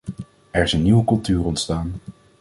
Er is een nieuwe cultuur ontstaan.